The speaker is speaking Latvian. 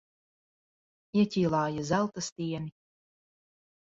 Ieķīlāja zelta stieni.